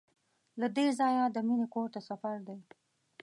له دې ځایه د مینې کور ته سفر دی.